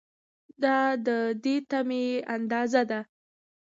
دا د دې تمې اندازه ده.